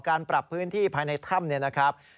การปรับพื้นที่ภายในถ้ำเนี่ยนะครับ